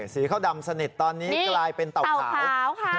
สีข้าวดำสนิทตอนนี้กลายเป็นเต่าขาวค่ะ